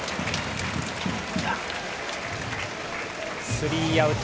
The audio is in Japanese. スリーアウト。